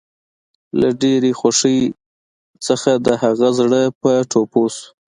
له ډېرې خوښۍ څخه د هغه زړه پر ټوپو شو